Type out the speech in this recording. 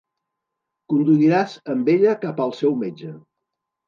Conduiràs amb ella cap al seu metge.